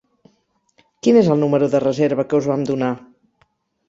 Quin és el número de reserva que us vam donar?